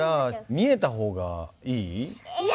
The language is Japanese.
見えた方がいい。